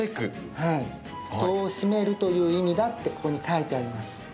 戸を閉めるという意味だってここに書いてあります。